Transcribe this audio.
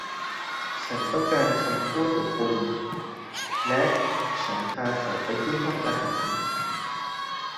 ฉันต้องการคำพูดกับคุณ และฉันพาเขาไปที่ห้องอาหาร